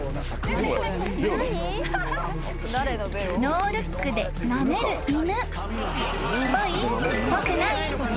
［ノールックでなめる犬］